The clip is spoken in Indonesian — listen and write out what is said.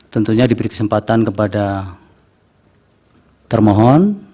tentunya diberi kesempatan kepada termohon